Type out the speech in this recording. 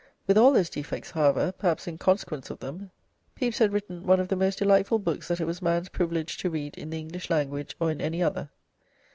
With all those defects, however perhaps in consequence of them Pepys had written one of the most delightful books that it was man's privilege to read in the English language or in any other.